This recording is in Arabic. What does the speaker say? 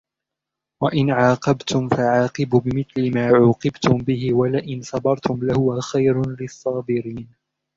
وَإِنْ عَاقَبْتُمْ فَعَاقِبُوا بِمِثْلِ مَا عُوقِبْتُمْ بِهِ وَلَئِنْ صَبَرْتُمْ لَهُوَ خَيْرٌ لِلصَّابِرِينَ